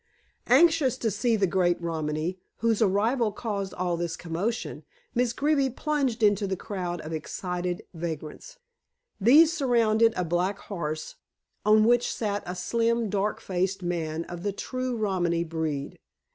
Anxious to see the great Romany, whose arrival caused all this commotion, Miss Greeby plunged into the crowd of excited vagrants. These surrounded a black horse, on which sat a slim, dark faced man of the true Romany breed.